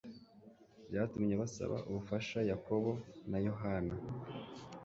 Byatumye basaba ubufasha Yakobo na Yohana